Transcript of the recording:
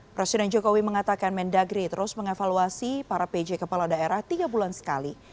presiden jokowi mengatakan mendagri terus mengevaluasi para pj kepala daerah tiga bulan sekali